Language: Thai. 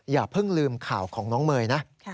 อย่าเพิ่งลืมข่าวของน้องเมย์นะ